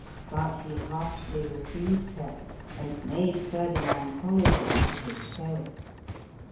But he harshly refused her, and made Ferdi nand follow him to his cell.